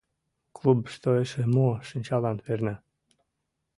Клубышто эше мо шинчалан перна?